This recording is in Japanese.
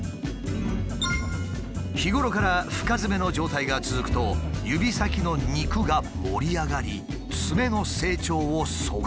日頃から深ヅメの状態が続くと指先の肉が盛り上がりツメの成長を阻害。